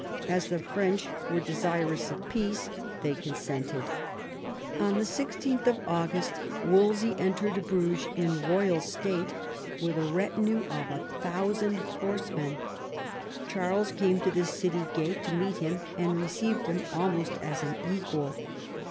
As the French were desirous of peace, they consentod. On 16th August Wolsey entered Bruges in royal state, with a retinue of 1000 horsemen. Charles came to the city gate to meet him, and received him almost as an equal.